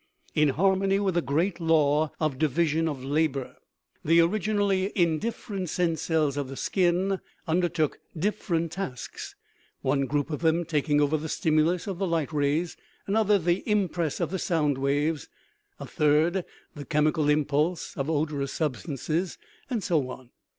In harmony with the great law of "division of labor " 294 KNOWLEDGE AND BELIEF the originally indifferent "sense cells of the skin "un dertook different tasks, one group of them taking over the stimulus of the light rays, another the impress of the sound waves, a third the chemical impulse of odor ous substances, and so on.